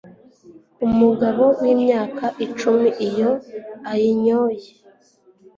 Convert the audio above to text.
umugabo wimyaka icumi iyo ayinyoye